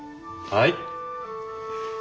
はい。